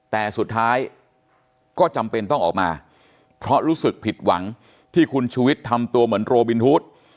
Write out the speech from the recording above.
แต่สุดท้ายก็จำเป็นต้องออกมาเพราะรู้สึกผิดหวังที่คุณชูวิทย์ทำตัวเหมือนโรบินฮูต